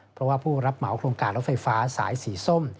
เพราะว่าผู้รับเหมาโครงการรถไฟฟ้าสายสีส้ม